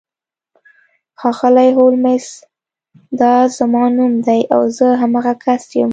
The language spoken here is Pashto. ښاغلی هولمز دا زما نوم دی او زه همغه کس یم